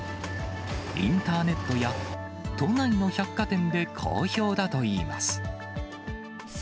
インターネットや、都内の百貨店で好評だといいます。